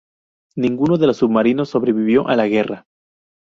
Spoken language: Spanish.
Ninguno de los submarinos sobrevivió a la guerra.